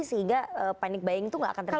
sehingga panik bayang itu nggak akan terjadi